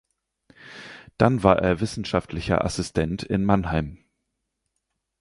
Dann war er Wissenschaftlicher Assistent in Mannheim.